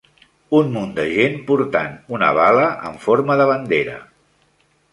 Un munt de gent portant una bala en forma de bandera.